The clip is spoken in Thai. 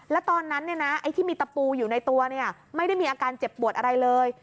แล้วตอนนั้นไอ้ที่มีตะปูอยู่ในตัวไม่ได้มีอาการเจ็บปวดอะไรเลย